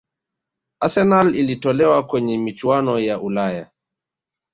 arsenal ilitolewa kwenye michuano ya ulaya